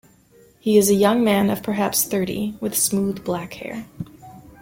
He is a young man of perhaps thirty, with smooth, black hair.